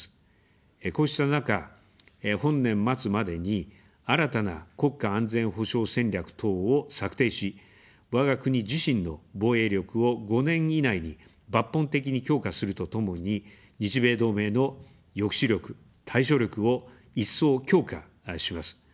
こうした中、本年末までに新たな国家安全保障戦略等を策定し、わが国自身の防衛力を５年以内に抜本的に強化するとともに、日米同盟の抑止力・対処力を一層強化します。